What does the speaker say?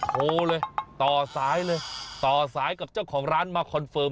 โทรเลยต่อสายเลยต่อสายกับเจ้าของร้านมาคอนเฟิร์ม